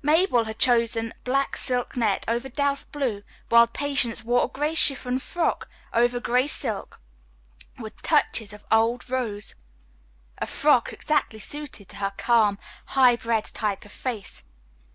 Mabel had chosen black silk net over delft blue, while Patience wore a gray chiffon frock over gray silk with touches of old rose, a frock exactly suited to her calm, high bred type of face.